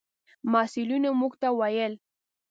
مسؤلینو موږ ته و ویل: